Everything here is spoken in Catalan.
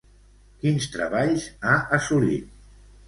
Quins treballs ha assolit?